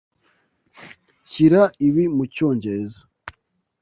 Shyira ibi mucyongereza.